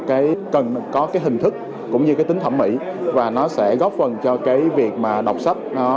cái cần có cái hình thức cũng như cái tính thẩm mỹ và nó sẽ góp phần cho cái việc mà đọc sách nó